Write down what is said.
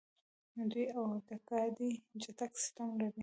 دوی د اورګاډي چټک سیسټم لري.